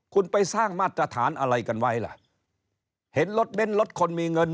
คุณไปสร้างมาตรฐานอะไรกันไว้ล่ะเห็นรถเบ้นรถคนมีเงิน